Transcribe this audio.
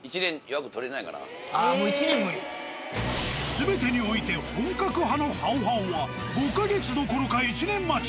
全てにおいて本格派の「好好」は５か月どころか１年待ち。